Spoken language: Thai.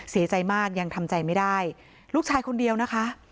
เสียใจมากยังทำใจไม่ได้ลูกชายคนเดียวนะคะ